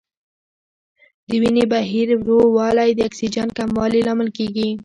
د وینې بهیر ورو والی د اکسیجن کموالي لامل کېږي.